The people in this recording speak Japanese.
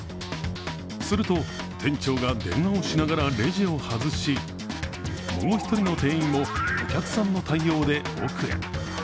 すると、店長が電話をしながらレジを外し、もう１人の店員もお客さんの対応で奥へ。